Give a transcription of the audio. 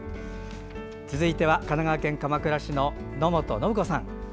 続いては神奈川県鎌倉市の野本延子さん。